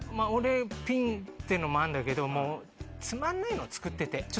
俺ピンっていうのもあんだけどつまんないの作ってて。